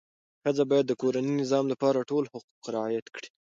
ښځه باید د کورني نظم لپاره ټول حقوق رعایت کړي.